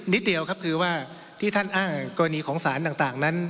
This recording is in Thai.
เดียวครับคือว่าที่ท่านอ้างกรณีของสารต่างนั้น